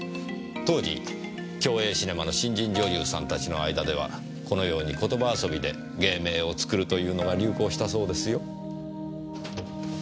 当時共映シネマの新人女優さんたちの間ではこのように言葉遊びで芸名を作るというのが流行したそうですよ。